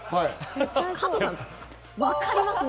加藤さん、分かりますね。